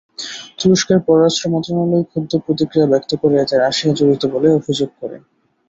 তুরস্কের পররাষ্ট্র মন্ত্রণালয় ক্ষুব্ধ প্রতিক্রিয়া ব্যক্ত করে এতে রাশিয়া জড়িত বলে অভিযোগ করে।